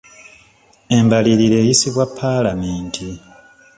Embalirira eyisibwa paalamenti.